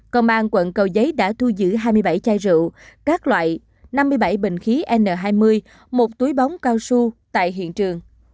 công an quận cầu giấy đã thu giữ hai mươi bảy chai rượu các loại năm mươi bảy bình khí n hai mươi một túi bóng cao su tại hiện trường